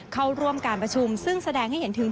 เข้าร่วมการประชุมซึ่งแสดงให้เห็นถึง